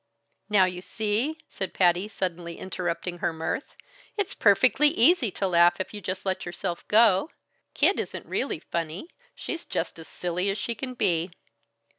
"Now you see!" said Patty, suddenly interrupting her mirth. "It's perfectly easy to laugh if you just let yourself go. Kid isn't really funny. She's just as silly as she can be."